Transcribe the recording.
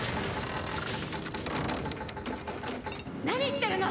何してるの！？